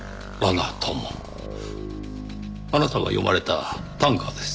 あなたが詠まれた短歌です。